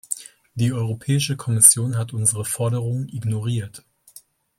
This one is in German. Die Europäische Kommission hat unsere Forderungen ignoriert.